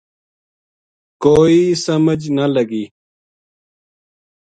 کوئی سمجھ نہ لگی